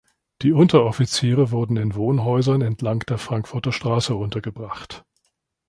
Die Unteroffiziere wurden in Wohnhäusern entlang der Frankfurter Straße untergebracht.